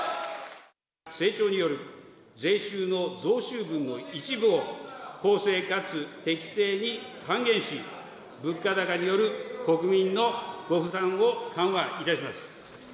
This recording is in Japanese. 成長による税収の増収分の一部を公正かつ適正に還元し、物価高による国民のご負担を緩和いたします。